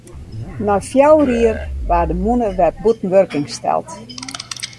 Nei fjouwer jier waard de mûne wer bûten wurking steld.